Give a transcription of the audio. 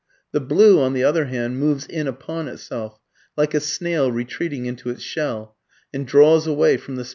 The blue, on the other hand, moves in upon itself, like a snail retreating into its shell, and draws away from the spectator.